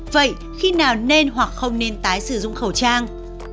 vậy khi nào nên hoặc không nên tái sử dụng khẩu trang